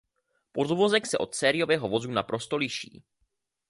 Podvozek se od sériového vozu naprosto liší.